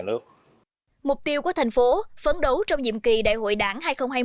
mục tiêu của thành phố phấn đấu trong nhiệm kỳ đại hội đảng hai nghìn hai mươi hai nghìn hai mươi năm